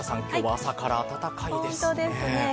今日は朝から暖かいですね。